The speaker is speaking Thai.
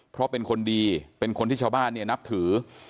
เพราะเป็นคนดีเป็นคนที่ชาวบ้านเนี่ยนับถือ